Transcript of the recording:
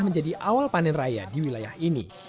menjadi awal panen raya di wilayah ini